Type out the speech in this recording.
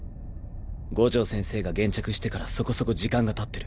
五条先生が現着してからそこそこ時間がたってる。